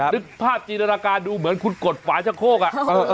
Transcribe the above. นึกภาพจินตนาการดูเหมือนคุณกดฝาชะโคกอ่ะ